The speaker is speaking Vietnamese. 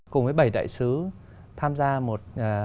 cùng với bảy đại sứ tham gia một